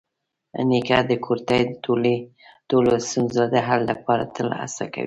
نیکه د کورنۍ د ټولو ستونزو د حل لپاره تل هڅه کوي.